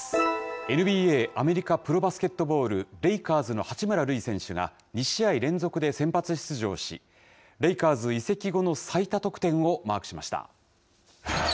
ＮＢＡ・アメリカプロバスケットボール・レイカーズの八村塁選手が２試合連続で先発出場し、レイカーズ移籍後の最多得点をマークしました。